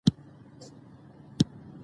آيا اسلام دنړۍ غوره دين دې